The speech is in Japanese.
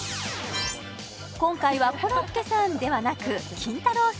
今回はコロッケさんではなくキンタロー。